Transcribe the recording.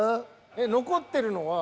残ってるのは？